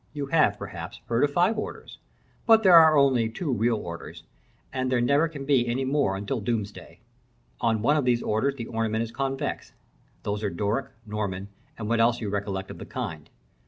You have, perhaps, heard of five orders; but there are only two real orders, and there never can be any more until doomsday. On one of these orders the ornament is convex: those are Doric, Norman, and what else you recollect of the kind.